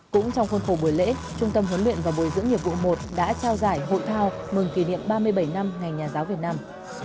cũng trong khuôn khổ buổi lễ trung tâm huấn luyện và bồi dưỡng nghiệp vụ một đã trao giải hội thao mừng kỷ niệm ba mươi bảy năm ngày nhà giáo việt nam